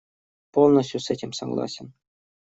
Полностью с этим согласен.